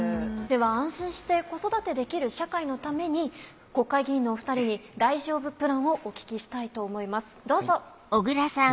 では安心して子育てできる社会のために国会議員のお２人に「大丈夫プラン」をお聞きしたいと思いますどうぞ。